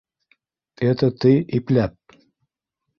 Это ты «ипләп»!